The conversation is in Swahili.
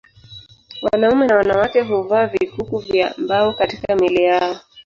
Wanaume na wanawake huvaa vikuku vya mbao katika miili yao